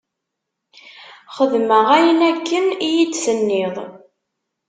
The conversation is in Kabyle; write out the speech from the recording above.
Xedmeɣ ayen akken i yi-d-tenniḍ.